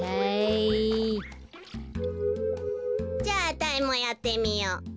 じゃああたいもやってみよう。